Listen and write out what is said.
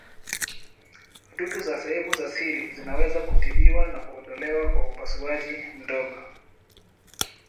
Dutu za sehemu za siri zinaweza kutibiwa na kuondolewa kwa upasuaji mdogo.